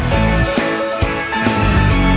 เราไม่ให้จับหลัง